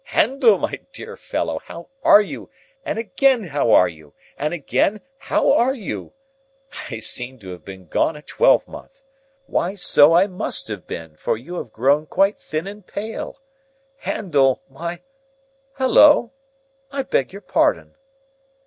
"Handel, my dear fellow, how are you, and again how are you, and again how are you? I seem to have been gone a twelvemonth! Why, so I must have been, for you have grown quite thin and pale! Handel, my—Halloa! I beg your pardon."